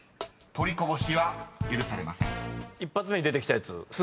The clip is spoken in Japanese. ［取りこぼしは許されません］